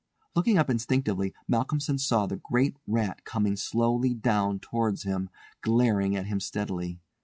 Looking up instinctively Malcolmson saw the great rat coming slowly down towards him, glaring at him steadily.